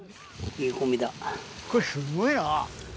・これすんごいな！